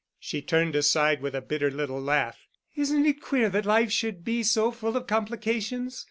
She turned aside with a bitter little laugh. "Isn't it queer that life should be so full of complications?